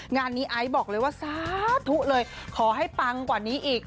งานนี้ไอซ์บอกเลยว่าสาธุเลยขอให้ปังกว่านี้อีก